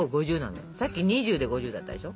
さっき２０で５０だったでしょ？